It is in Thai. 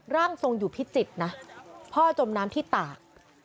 ร่างทรงอยู่พิจิตรนะพ่อจมน้ำที่ตาก